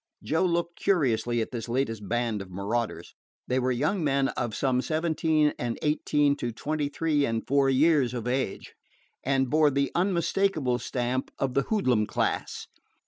Joe looked curiously at this latest band of marauders. They were young men of from seventeen and eighteen to twenty three and four years of age, and bore the unmistakable stamp of the hoodlum class.